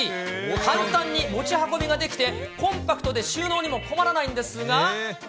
簡単に持ち運びができて、コンパクトで収納に困らないんですが。